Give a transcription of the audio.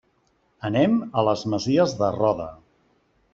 Anem a les Masies de Roda.